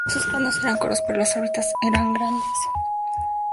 Sus cráneos eran cortos, pero las órbitas eran grandes.